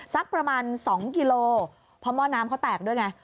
สักประมาณ๒กิโลเพราะหม้อน้ำเขาแตกด้วยไง